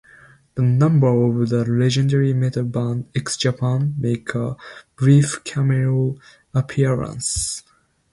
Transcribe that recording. The members of the legendary metal band X Japan make a brief cameo appearance.